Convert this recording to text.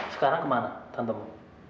sekarang kemana tantamu